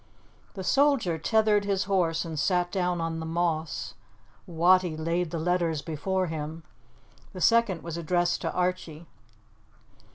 The soldier tethered his horse and sat down on the moss. Wattie laid the letters before him; the second was addressed to Archie.